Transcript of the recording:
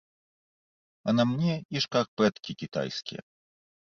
А на мне і шкарпэткі кітайскія.